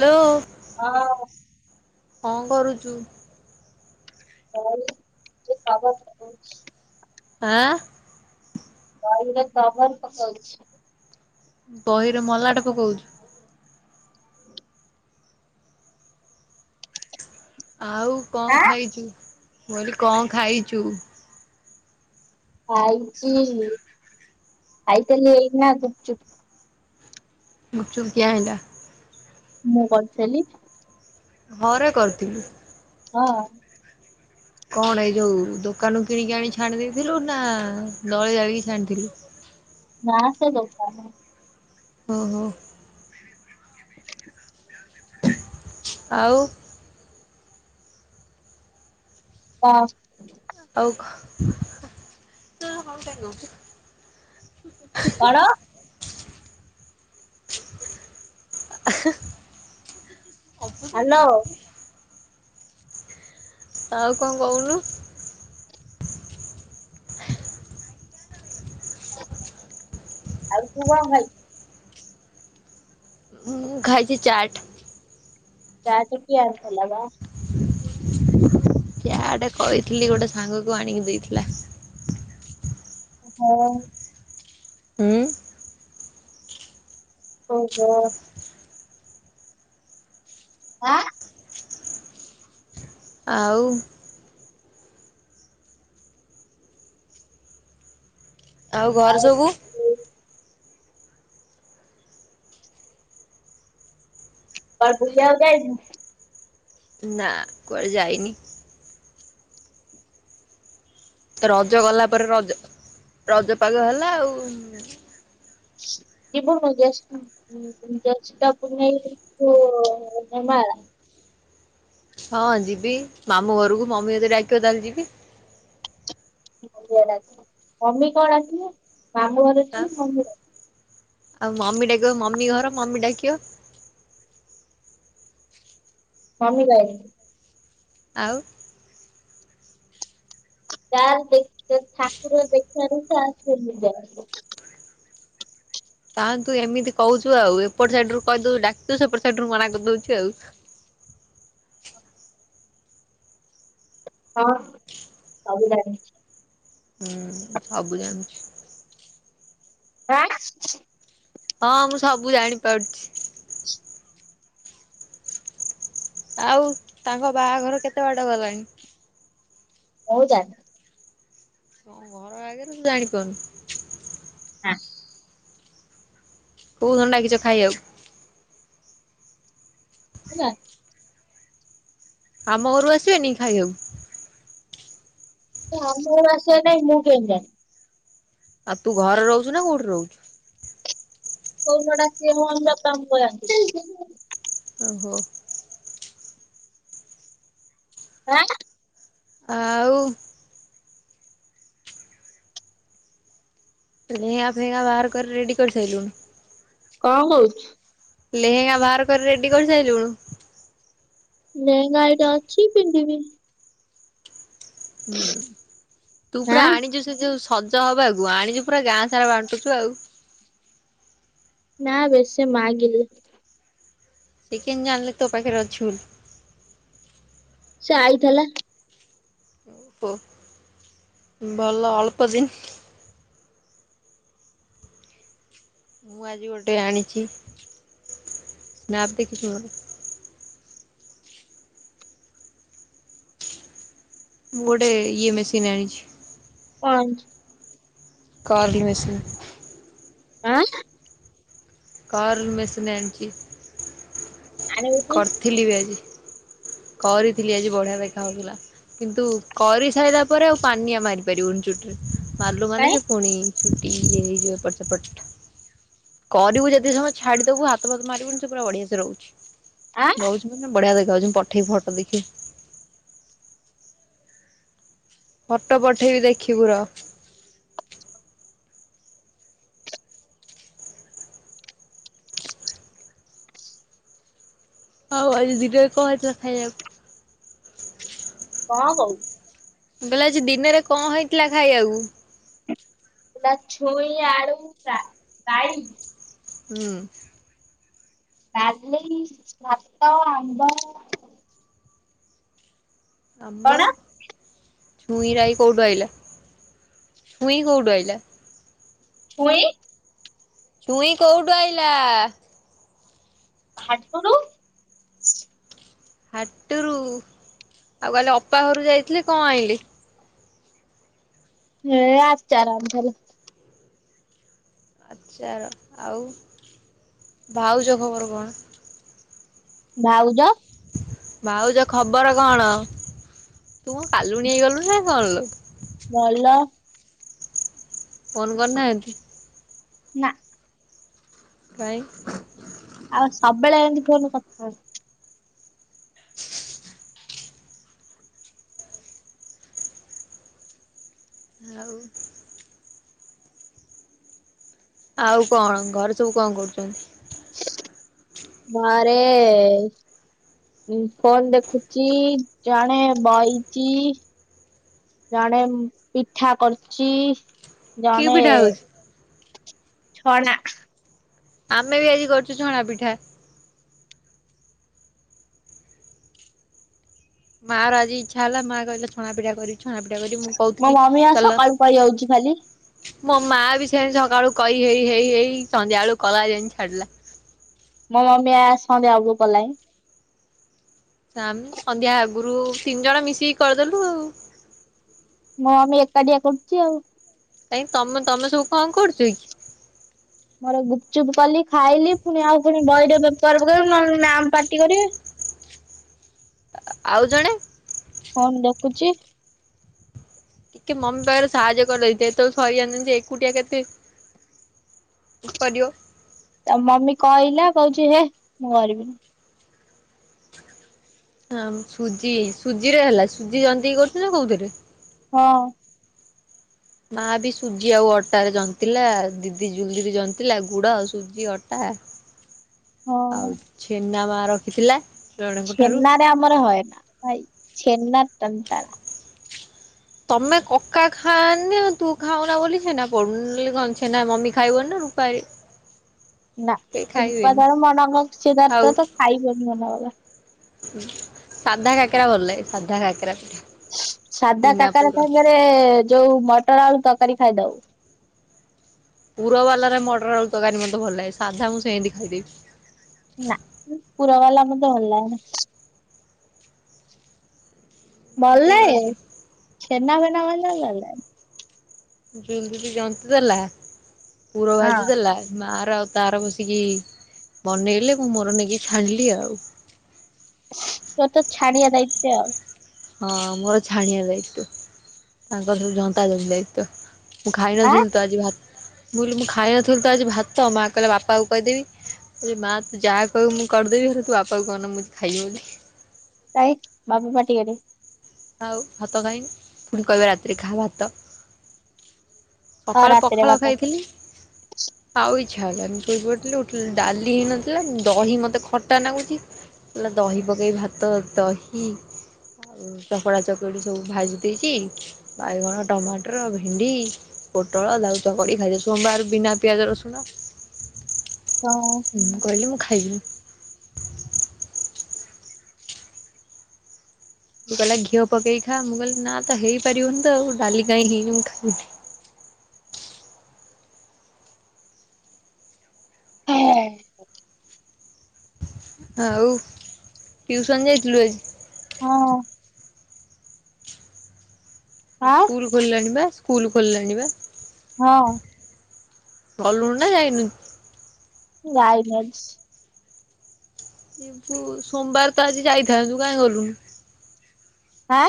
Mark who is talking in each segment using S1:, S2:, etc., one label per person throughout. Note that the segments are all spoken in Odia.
S1: ହ୍ୟାଲୋ
S2: ହଁ
S1: କଣ କରୁଚୁ?
S2: ହ ଖବା [unintelligible]
S1: ଆଁ
S2: ଗାଇରେ ବାବାନ ପକାଉଛି [unintelligible]
S1: ବହିରେ ମଲାଟେ ପକଉଛୁ ଆଉ କଣ ଖାଇଛି ମୁଁ କହିଲି କଣ ଖାଇଚୁ?
S2: ଖାଇଛି ଖାଇଥିଲି ଏଇନା ଗୁପ ଚୁପ
S1: ଗୁପ୍ ଚୁପ୍ କିଏ ଆଣିଲା
S2: ମୁଁ କରିଥିଲି।
S1: ଘରେ କରିଥିଲି।
S2: ହଁ
S1: କଣ ଏଇ ଯୋଉ ଦୋକାନରୁ କିଣିକି ଆଣି ଛାଣି ଦେଇେଇଥିଲୁ ନା ଦଳେ ଯାଇିକି ଛାଣିଥିଲୁ
S2: ନା ସେ ଦୋକାନ
S1: ଓ ହୋ ଆଉ।
S2: ହ [unintelligible]
S1: ଆଉ।
S2: କଣ?
S1: ଆ [inaudible] ଅଭଦ୍ର ଟେ
S2: ହ୍ୟାଲୋ
S1: କି। ଆଉ କଣ କହୁନୁ।
S2: ଆଉ ତୁ କଣ ଖାଇଚୁ।
S1: ଖାଇଛି ଚାଟ୍।
S2: ଚାଟ କିଏ ଆନିଥିଲେ ମ?
S1: ଚାଟ୍ କହିଥିଲି ଗୋଟେ ସାଙ୍ଗକୁ ଆଣିକି ଦେଇଥିଲା।
S2: ହଁ
S1: ହୁଁ।
S2: ଓହୋ। ଆଁ।
S1: ଆଉ। ଆଉ ଘରେ ସବୁ।
S2: କୁଆଡେ କୁଆଡେ ବୁଲିବାକୁ ଯାଇନୁ।
S1: ନା କୁଆଡେ ଯାଇନି। ରଜ ଗଲା ପରେ ରଜ ରଜ ପାଗ ହେଲା ଆଉ।
S2: କିପଣ ଜ୍ୟଷ୍ଟ ପୂର୍ଣୀମା କୁ ହେମାଳ।
S1: ହଁ ଯିବି ମାମୁଁ ଘରକୁ ମମି ଯେତବେ ଡାକିବ ତାହେଲେ ଯିବି।
S2: ମମି କଣ ଆସିବା। ମାମୁଆର ଅଛି ମମି ର।
S1: ଆଉ ମମି ଡାକିବ ମମି ଘର ମମି ଡାକିବ।
S2: ମମି ଭାଇ।
S1: ଆଉ।
S2: ଯାର ଦେଖ ଠାକୁର ଦେଖାରୁ ତା ସେଯା [inaudible]
S1: ତାହନ୍ତୁ ଏମିତି କହୁଛୁ ଆଉ ଏପଟ ସାଇଡ ରୁ କହିଦଉଛୁ ଡାକୁ ସେପଟ ସାଇଡ ରୁ ମନା କରିଦଉଛୁ ଆଉ।
S2: ହ [unintelligible] ହଁ ସବୁ ଜାଣିଛି।
S1: ହୁଁ ସବୁ ଜାଣିଛି।
S2: ଆଁ।
S1: ହଁ ମୁଁ ସବୁ ଜାଣିପାରୁଛି। ଆଉ ତାଙ୍କ ବାହାଘର କେତେ ବାଟ ଗଲାଣି।
S2: ହଉ ଯା।
S1: କଣ ଘର ଆଗରେ ତୁ ଜାଣିପାରୁନୁ।
S2: ନା।
S1: କୋଉ ଦିନ ଡାକିଚ ଖାଇବାକୁ।
S2: ହେଲା।
S1: ଆମ ଘରୁ ଆସିବେନି କି ଖାଇବାକୁ।
S2: ଆମର ଆସ ନାଇ ମୁଁ କେ ନ [inaudible]
S1: ଆଉ ତୁ ଘରେ ରହୁଛୁ ନା କୋଉଠି ରହୁଛୁ।
S2: କଉଡା କେ ହ କାମ କ [inaudible]
S1: ଓହୋ।
S2: ଆଁ।
S1: ଆଉ ନିଆ ଫିଆ ବାହାର କରି ରେଡି କରିସାରିଲୁଣି।
S2: କଣ କହଚୁ?
S1: ଲେହେଙ୍ଗା ବାହାର କରି ରେଡି କରିସାରିଲୁୁଣୁ।
S2: ଲେହେଙ୍ଗା ଏଠି ଅଛିି ପିନ୍ଧିବି।
S1: ହୁଁ ତୁ ପୁରା
S2: ଆଁ
S1: ଆଣିଚୁ ସେ ଯୋଉ ସଜ ହବ ଆଗକୁ ଆଣିଛୁ ପୁରା ଗାଁ ସାରା ବାଣ୍ଟୁଛୁ ଆଉ।
S2: ନା ବେ ଶେ ମାଗିଲେ
S1: ସେ କେମିତି ଜାଣିଲେ ତୋ ପାଖରେ ଅଛି ବୋଲି।
S2: ସେ ଆଇଥିଲା।
S1: ଓ ଭଲ ଅଳ୍ପ ଦିନ ମୁଁ ଆଜି ଗୋଟେ ଆଣିଛି ସ୍ନାପ୍ ଦେଖି ଶୁହ ମୁଁ ଗୋଟେ ଇଏ ମେସିନ୍ ଆଣିଛି।
S2: ପାଞ୍ଚ
S1: କରଲି ମେସିନ
S2: ଆଁ,
S1: କାର ମେସେନି ଆଣିଛି।
S2: ଆଣିବୁ ଟି
S1: କରିଥିଲି ବି ଆଜି କରିଥିଲି ଆଜି ବଢିଆ ଦେଖା ଯାଉଥିଲା କିନ୍ତୁ କରି ସାରିଲା ପରେ ଆଉ ପାନିଆ ମାରିପାରି ବୁନି ଚୁଟିରେ। ଭାଲୁ ମାନେ
S2: କାଇଁ
S1: ସେ ପୁଣି ଛୁଟି ଇ ହେଇଯିବ ଏପଟ ସେପଟ କରିବୁ ଯଦି ସମୟ ଛାଡିଦବୁ ହାତ ଫାତ ମାରିବୁନି ସେ ପୁରା ବଢିଆ ସେ ରହୁଛି।
S2: ଆଁ
S1: ନହୁଛି ମନେ ବଢିଆ ଦେ ଯାଉଛ ପଠେଇ ଫଟୋ ଦେଖି ଫଟୋ ପଠେଇବି ଦେଖିବୁ ରହ। ହଉ ଅଜି ଦିନରେ କଣ ହୋଇଥିଲା ଖାଇବାକୁ
S2: କଣ କହୁଚୁ?
S1: ମୁ କହିଲି ଆଜି ଦିନରେ କଣ ହେଇଥିଲା ଖାଇବାକୁ।
S2: ଛୁଇଁ ଆଳୁ ରାଇ?
S1: ହୁଁ।
S2: ଡାଲି, ଭାତ, ଆମ୍ବ।
S1: ଆମ୍ବ।
S2: କଣ
S1: ଛୁଇଁ ରାଇ କୋଉଠୁ ଆଇଲା? ଛୁଇଁ କୋଉଠୁ ଆଇଲା?
S2: ଛୁଇଁ।
S1: ଛୁଇଁ କୋଉଠୁ ଆଇଲା?
S2: ହାଟୁରୁୁ?
S1: ହାଟରୁ ଆଉ କଲି ଅପା ଘରୁ ଯାଇଥିଲେ କଣ ଆଣିଲେ?
S2: ହେ ଆଚାର ଆଣିଥିଲେ।
S1: ଆଚାର ଆଉ ଭାଉଜ ଖବର କଣ?
S2: ଭାଉଜ
S1: ଭାଉଜ ଖବର କଣ ତୁ କଣ କାଲୁଣୀ ହେଇ ଗଲୁଣି ନା କଣ?
S2: ଭଲ।
S1: ଫୋନ୍ କରି ନାହାନ୍ତି।
S2: ନା।
S1: କାଇଁ।
S2: ଆଉ ସବୁବେଳେ ଏମିତି ଫୋନ ରେ କଥା ହଉ
S1: ଆଉ‌। ଆଉ କଣ ଘରେ ସବୁ କଣ କରୁଚନ୍ତି।
S2: ଘରେ ଫୋନ ଦେଖୁଚି ଜଣେ ବଇଚି ଜଣେ ପିଠା କରୁଚି।
S1: କି
S2: ଜଣେ
S1: ପିଠା
S2: ଏ
S1: ହଉଛି?
S2: ଛଣା।
S1: ଆମେ ବି ଆଜି କରିଚୁ ଛଣା ପିଠା। ମା ର ଆଜି ଇଚ୍ଛା ହେଲା ମାଆ କହିଲେ ଛଣା ପିଠା କରି
S2: ମୋ ମମି ଆଜ ସକାଳୁ କଳି ହଉଚି ଖାଲି।
S1: ମୋ ମାଆ ବି ସେମିତି ସକାଳୁ କହି ହେଇ ହେଇ ହେଇ ସନ୍ଧ୍ୟା ବେଳୁ କଲା ଯାଇଁ ଛାଡିଲା।
S2: ମ ମମୀ ଆ ସନ୍ଧ୍ୟା ବେଳୁ କଲାଣି।
S1: ସ୍ୟାମି ସନ୍ଧ୍ୟା ଆଗରୁ ତିନି ଜଣ ମିଶିକି କରିଦେଲୁ ଆଉ।
S2: ମୋ ମମୀ ଏକାଟିଆ କରୁଚି ଆଉ।
S1: କାଇଁ ତମ ତମେ ସବୁ କଣ କରୁଚ କି?
S2: ମୋର ଗୁପଚୁପ୍ କଲି ଖାଇଲି ପୁଣି ଆଉ ପୁଣି ବୈଡ ସାର୍ଫ ପକେଇବୁ ନହେଲେ ମ୍ୟାମ ପାର୍ଟି କରିବେ।
S1: ଆଉ ଜଣେ?
S2: ହଁ ମୁଁ ଦେଖୁଚି।
S1: ଟିକେ ମମି ପାଖରେ ସାହାଯ୍ୟ କରିଦେଇଚି ଏତେବେଳେ ସରିଯାନ୍ତାଣି ସେ ଏକୁଟିଆ କେତେ କରିବ।
S2: ତା ମମି କହିଲା କହୁଚି ହେ ମୁଁ କରିବିନି।
S1: ହଁ ସୁଜି ସୁଜିରେ ହେଲା ସୁଜି ଯନ୍ତିକି କରୁଥିଲୁ ନା କୋଉଥିରେ?
S2: ହଁ।
S1: ମା ବି ସୁଜି ଆଉ ଅଟା ରେ ଜନ୍ତିଲା ଦିଦି ଜୁଲି ରେ ଜନ୍ତିଲା ଗୁଡ ଆଉ ସୁଜି ଅଟା।
S2: ହଁ
S1: ଆଉ ଛେନା ମା ରଖିଥିଲା ର
S2: ଛେନା ରେ ଆମର ହଏନା ଭାଇ। ଛେନ୍ନା ତନ୍ ତାରା।
S1: ତମେ କକା ଖାଆନି ତୁ ଖାଉନା ବୋଲି ଛେନା ପଡୁନି ନ ହେଲେ କଣ ଛେନା ମମି ଖାଇବନି ନା ରୁପାରି
S2: ନା ରୂପାଦର
S1: ଖାଉ
S2: [unintelligible] ଖାଇବନି ମନାକଲା।
S1: ସାଧା କାକେରା ଭଲ ଲାଗେ ସାଧା କାକେରା। ପିଠା
S2: ସାଧା
S1: ବିନା
S2: କାକାରା
S1: ପୁର
S2: ସାଙ୍ଗରେ ଯୋଉ ମଟର ଆଳୁ ତ କରି ଖାଇ ଦଉ। ତ
S1: ପୁର ବାଲାରେ ମଟର ଆଳୁ ତରକାରୀ ମତେ ଭଲ ଲାଗେ ସାଧା ମୁଁ ସେମିତି ଖାଇଦେବି।
S2: ତ ହଲାଣି।
S1: ଜନ୍ତି
S2: ବଲ
S1: ଦେଲା
S2: ନେ ଛେନା ଫେନା ଭଲ ଲାଗେ ନା ନାହିଁ।
S1: ପିଙ୍କି ଯନ୍ତି ଦେଲା। ପୂର
S2: ହଁ।
S1: ଭାଜି ଦେଲା ମା। ର ଆଉ ତାର ବସିକି ବନେଇଲେ ମୁଁ ମୋର ନେଇକି ଛାଣିଲି ଆଉ।
S2: ତୋର ତ ଛାଡିିଆ ଦାୟିତ୍ୱ ଆଉ।
S1: ହଁ ମୋର ଛାଣିଆ ଦାୟତୁ ତାଙ୍କର ସବୁ ଜନ୍ତା ଜମ ଦାୟତୁ ମୁଁ ଖାଇ
S2: ଆଁ
S1: ନଥିଲି ତ ଆଜି ଭାତ ବୋଉଲୋ ମୁଁ ଖାଏ ନଥିଲେ ତୁତ ଆଜି ଭାତ। ମା କହିଲା ବାପାକୁ କହିଦେବି। [unintelligible] ମା ତୁ ଯାହା କହିବୁ ମୁଁ କରିଦେବି ହେଲେ ତୁ ବାପାକୁ କହନା ମୁଁ ଖାଇନି ବୋଲି।
S2: ତାଇ ବାପ ମାଟିିକରେ
S1: ଆଉ ଭାତ ଖାଇନୁ ପୁଣି କହିବେ ରାତିରେ ଖା ଭାତ।
S2: ହଁ
S1: ସକାଳେ
S2: ରାତିରେ
S1: ପଖାଳ
S2: କଥା
S1: ଖାଇଥିଲି। ଆଉ ଇ ଛାଡିଲାନି ଶୋଇ ପଡ଼ିଥିଲୁ ଉଠିଲୁ ଡାଲି ହେଇନଥିଲା। ଉଁ ଦହି ମତେ ଖଟା ନାଗୁଚି କହିଲା ଦହି ପକେଇ ଭାତ, ଦହି ଆଉ ଚକଡ଼ା ଚକଡି ସବୁ ଭାଜି ଦେଇଛି। ବାଇଗଣ, ଟମାଟର, ଭେଣ୍ଡି, ପୋଟଳ ତାକୁ ଚକଡି ଖାଇଦବୁ। ସୋମବାର ବିନା ପିଆଜ ରସୁଣ।
S2: ହଁ
S1: ମୁଁ କହିଲି ମୁଁ ଖାଇବିନି। ବୋଉ କହିଲା ଘିଅ ପକେଇ ଖା। ମୁଁ କହିଲି ନା ତ ହେଇପାରିବନି ତ ଆଉ ଡାଲି କାହିଁକି ହେଇନି ମୁଁ ଖାଇବିନି।
S2: ହଁ।
S1: ଆଉ ଟ୍ୟୁସନ ଯାଇଥିଲୁ ଆଜି?
S2: ହଁ।
S1: ଆଉ
S2: ଆଁ
S1: ସ୍କୁଲ ଖୋଲିଲାଣି ବା। ସ୍କୁଲ ଖୋଲିଲାଣି ବା।
S2: ହଁ
S1: ଗଲୁଣୁ ନା ଯାଇନୁ?
S2: ଗାଇନଜ
S1: ଏ ସୋମବାର ତ ଆଜି ଯାଇଥାନ୍ତୁ କାହିଁ ଗଲୁନ।
S2: ହାଁ?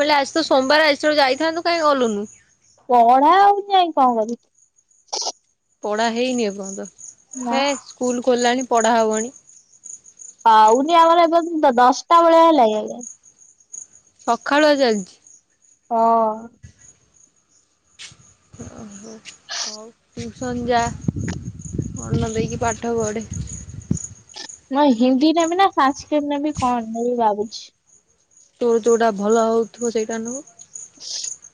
S1: ବୋଇଲେ ଆସି ତ ସୋମବାର ଆଜିଠାରୁ ଯାଇଥାନ୍ତୁ କାଇଁ ଗଲୁନୁ?
S2: ହ
S1: ପଢା ହେଇନି ଏ ପର୍ଯ୍ୟନ୍ତ ହଁ ସ୍କୁଲ ଖୋଲିଲାଣି ପଢ଼ା ହବଣି।
S2: ହ ଉନି ଆମର ଏବେ ଦଶଟା ବେଳେ ହେଲେ
S1: ସଖାଳୁଆ ଚାଲିଛି।
S2: ହଁ।
S1: ଓହୋ। ହଉ। ଟ୍ୟୁସନ୍ ଯାଆ। ମନ ଦେଇକି ପାଠ ପଢ଼େ।
S2: ନା ହିନ୍ଦୀ ନେବି ନା ସାନସ୍କ୍ରିଟ୍ ନେବି କଣ ନେବି ଭାବୁଛି।
S1: ତୋର ଯୋଉଟା ଭଲ ହଉଥିବ ସେଇଟା ନବୁ।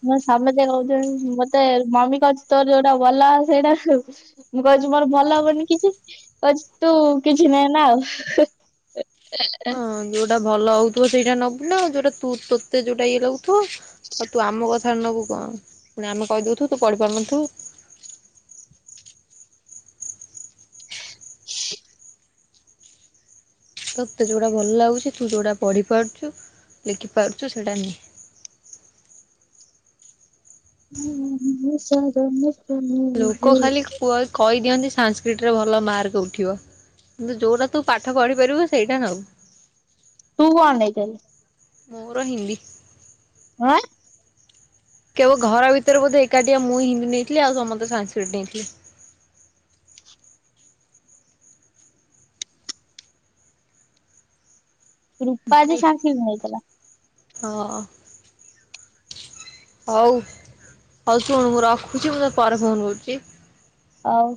S2: ମୋ ସାନ ଝିଅ କହୁଚି ମତେ ମମି କହୁଚି ତୋର ଯୋଉଟା ଭଲ ସେଇଟା [unintelligible] ମୁଁ କହୁଚି ମୋର ଭଲ ହବନି କିଛି କହୁଛି ତୁ କିଛି ନେନା ଆଉ ହେ ହେ। ଏଏ
S1: ହଁ ଯୋଉଟା ଭଲ ହଉଥିବ ସେଇଟା ନବୁ ନା ଆଉ ଯୋଉଟା ତୁ ତୋତେ ଯୋଉଟା ଇଏ ଲାଗୁ ତୁ ଆଉ ତୁ ଆମ କଥା କ ନବୁ କଣ ପୁଣି ଆମେ କହିଦଉଛୁ ତୁ ପଢି ପାରୁନଥ ତତେ ଯୋଉଟା ଭଲ ଲାଗୁଛି, ତୁ ଯୋଉଟା ପଢି ପାରୁଛୁ, ଲେଖି ପାରୁଛୁ ସେଇଟା ନେ।
S2: [unintelligible]
S1: ଲୋକ ଖାଲି କୁ କହି କହନ୍ତି ସାଂସ୍କ୍ରିଟରେ ଭଲ ମାର୍କ ଉଠିବ କିନ୍ତୁ ଯେଉଁଟା ତୁ ପାଠ ପଢ଼ିପାରିବୁ ସେଇଟା ନେଉ
S2: ତୁ କଣ ନାଇଥିଲ?
S1: ମୋର ହିନ୍ଦୀ।
S2: ଆଁ [unintelligible]
S1: କେବଳ ଘର ଭିତରେ ବୋଧେ ଏକାଠିଆ ମୁଁ ହିନ୍ଦୀ ନେଇଥିଲି ଆଉ ସମସ୍ତେ ସଂସ୍କୃତ ନେଇଥିଲେ।
S2: ରୂପା ଯେ ଶସ ସଂସ୍କିରିଟ୍ ନହିଁ ଥିଲା।
S1: ହଁ ହଉ ହଉ ଶୁଣ ମୁଁ ରଖୁଛି ମୁଁ ପରେ ଫୋନ କରୁଛି।
S2: ହଉ।